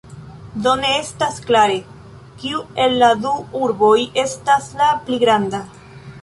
Do ne estas klare, kiu el la du urboj estas la pli granda.